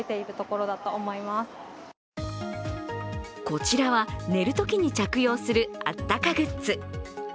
こちらは、寝るときに着用するあったかグッズ。